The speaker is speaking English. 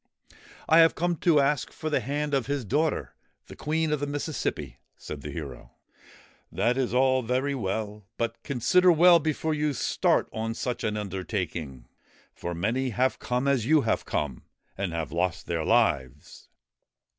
' I have come to ask for the hand of his daughter, the Queen of the Mississippi,' said the hero. ' That is all very well ; but consider well before you start on such an undertaking ; for many have come as you have come and have lost their lives.'